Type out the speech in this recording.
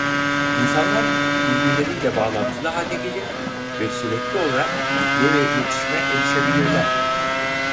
İnsanlar birbirleriyle bağlantılı hale gelir ve sürekli olarak bilgiye ve iletişime erişebilirler.